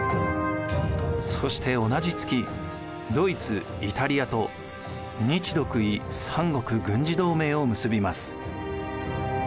そして同じ月ドイツイタリアと日独伊三国軍事同盟を結びます。